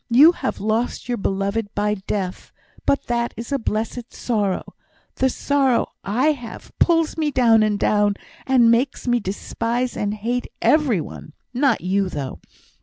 You have lost your beloved by death but that is a blessed sorrow; the sorrow I have pulls me down and down, and makes me despise and hate every one not you, though."